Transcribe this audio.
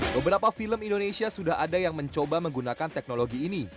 beberapa film indonesia sudah ada yang mencoba menggunakan teknologi ini